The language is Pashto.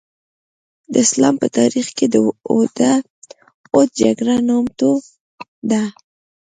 د اسلام په تاریخ کې د اوحد جګړه نامتو ده.